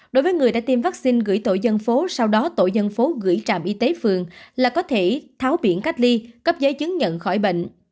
đối với người đã tiêm vaccine gửi tổ dân phố sau đó tổ dân phố gửi trạm y tế phường là có thể tháo biển cách ly cấp giấy chứng nhận khỏi bệnh